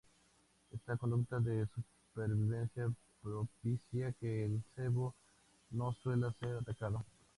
Esta conducta de supervivencia propicia que el cebo no suela ser atacado.